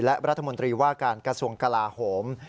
และรัฐมนตรีว่าการกระทรวงกลาโหม